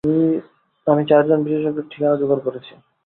আমি চারজন বিশেষজ্ঞের ঠিকানা জোগাড় করেছি।